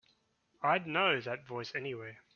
I'd know that voice anywhere.